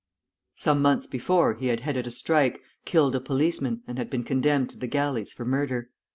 Some months before, he had headed a strike, killed a policeman, and had been condemned to the galleys for murder.